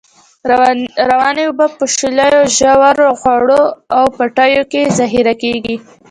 روانې اوبه په په شیلو، ژورو، خوړو او پټیو کې ذخیره کړی.